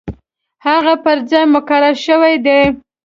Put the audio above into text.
هغه پر ځای مقرر شوی دی.